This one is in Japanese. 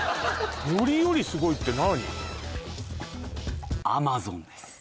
森よりすごいって何？